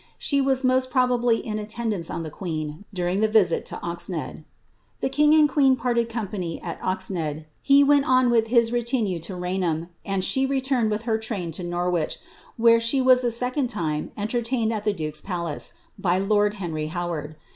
She was most probably in attendance on the queen during tbe visit to Oxnead. The king and queen parted company at Oxnead ; he went on vtth his retinue to Hainliam, and she returned with her train to Norwich, where slie was a second time entertained at the duke^s palace, by lord Ilniry Howard.'